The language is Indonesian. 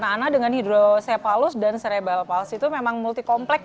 anak anak dengan hidrosepalus dan selebral palsi itu memang multi komplek